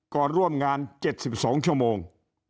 ก่อนร่วมงาน๗๒ชั่วโมง